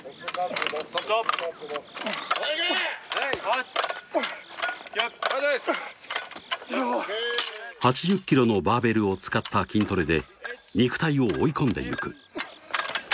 オッケー８０キロのバーベルを使った筋トレで肉体を追い込んでゆく８９